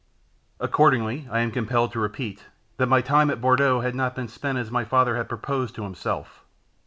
Accordingly, I am compelled to repeat, that my time at Bourdeaux had not been spent as my father had proposed to himself.